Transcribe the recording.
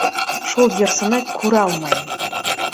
Шул йырсыны күрә алмайым.